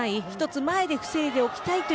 １つ前で防いでおきたい